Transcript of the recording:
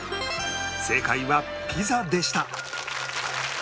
正解はピザでした